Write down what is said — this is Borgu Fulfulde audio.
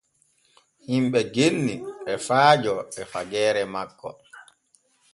Himɓe genni e faajo e fageere makko.